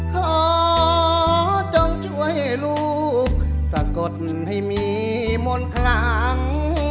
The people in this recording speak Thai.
ขอจงช่วยลูกสะกดให้มีมนต์คลัง